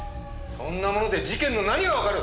そんなもので事件の何がわかる！